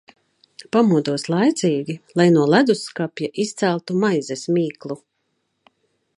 Pamodos laicīgi, lai no ledusskapja izceltu maizes mīklu.